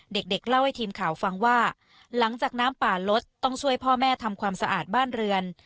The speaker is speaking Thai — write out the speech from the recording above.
เด็กเล่าให้ทีมข่าวฟังว่าหลังจากน้ำป่าลดต้องช่วยพ่อแม่ทำความสะอาดบ้านเรือน